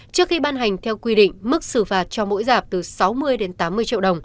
trước khi ban hành theo quy định mức xử phạt cho mỗi dạp từ sáu mươi đến tám mươi tuổi